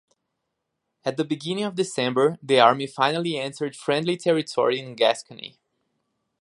At the beginning of December, the army finally entered friendly territory in Gascony.